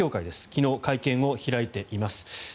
昨日会見を開いています。